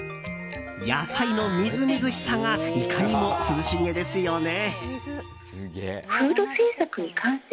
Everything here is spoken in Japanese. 野菜のみずみずしさがいかにも涼しげですよね。